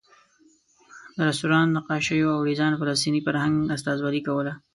د رسټورانټ نقاشیو او ډیزاین فلسطیني فرهنګ استازولې کوله.